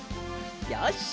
よし。